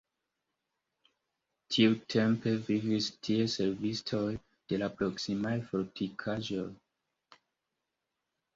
Tiutempe vivis tie servistoj de la proksimaj fortikaĵoj.